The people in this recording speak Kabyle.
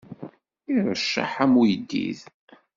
Iṛecceḥ am uyeddid.